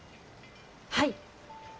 はい。